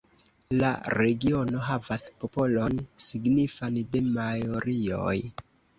La regiono havas popolon signifan de maorioj.